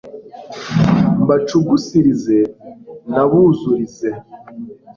mbacugusirize nabuzurize